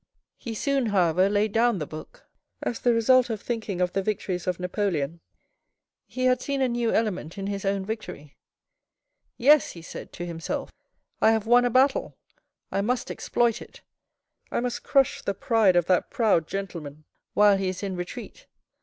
He soon, however, laid down the book. As the result of thinking of the victories of Napoleon, he had seen a new element in his own victory. " Yes," he said to himself, " I have won a battle. I must exploit it. I must crush the pride of that proud gentleman while he is in retreat.